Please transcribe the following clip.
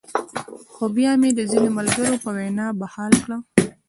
خو بيا مې د ځينې ملګرو پۀ وېنا بحال کړۀ -